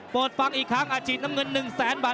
โปรดฟังอีกครั้งอาจฉีดน้ำเงิน๑๐๐๐๐๐บาท